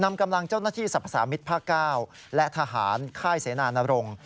นำกำลังเจ้าหน้าที่สรรพสามิตรภาค๙และทหารค่ายเสนานรงค์